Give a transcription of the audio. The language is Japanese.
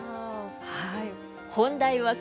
はい。